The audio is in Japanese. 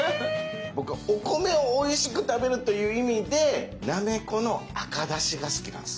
僕はお米をおいしく食べるという意味でなめこの赤だしが好きなんです。